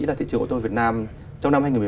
là thị trường ô tô việt nam trong năm hai nghìn một mươi